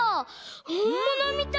ほんものみたい。